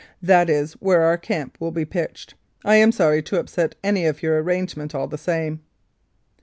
That is where our camp will be pitched. I am sorry to upset any of your arrangements all the same."